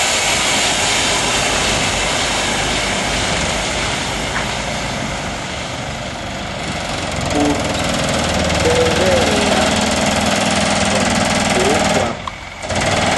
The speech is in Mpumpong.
Ɓot ɓɛ tí ɛla thɔŋ ɓɛ Ogwap.